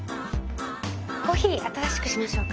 コーヒー新しくしましょうか。